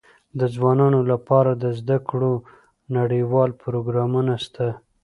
د ځوانانو لپاره د زده کړو نړيوال پروګرامونه سته.